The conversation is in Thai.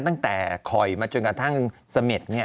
ตั้งแต่คอยมาจนกระทั่งเสม็ดเนี่ย